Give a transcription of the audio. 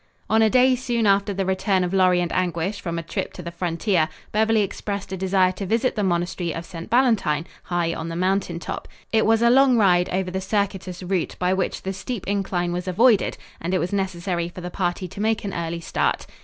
On a day soon after the return of Lorry and Anguish from a trip to the frontier, Beverly expressed a desire to visit the monastery of St. Valentine, high on the mountain top. It was a long ride over the circuitous route by which the steep incline was avoided and it was necessary for the party to make an early start.